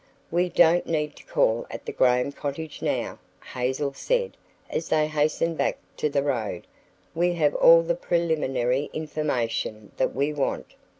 "We don't need to call at the Graham cottage now," Hazel said as they hastened back to the road. "We have all the preliminary information that we want.